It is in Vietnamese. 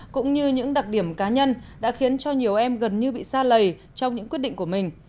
cũng như những đặc điểm cá nhân đã khiến cho nhiều em gần như bị xa lầy trong những quyết định của mình